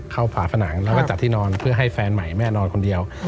เข้าเพราะฝนังแล้วก็จัดที่นอนเพื่อให้แฟนใหม่แม่นอนกับผม